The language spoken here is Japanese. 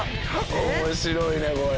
面白いねこれ。